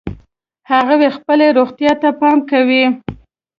هغوی خپلې روغتیا ته پام کوي